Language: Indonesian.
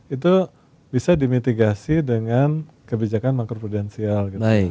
itu bisa dimitigasi dengan kebijakan makro prudensial gitu